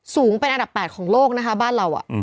สูงเป็นอันดับ๘ของโลกนะคะบ้านเรา